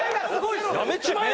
やめちまえよ！